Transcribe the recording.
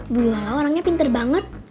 bu yola orangnya pinter banget